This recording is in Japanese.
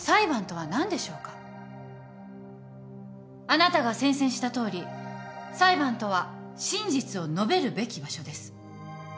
あなたが宣誓したとおり裁判とは真実を述べるべき場所です。